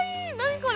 これ。